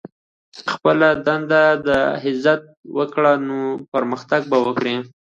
د خپلي دندې عزت وکړئ، نو پرمختګ به وکړئ!